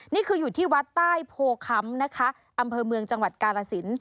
นี่คืออยู่ที่วัดใต้โพค้ำนะคะอำเภอเมืองจังหวัดกาลสิน